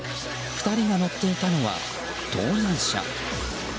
２人が乗っていたのは盗難車。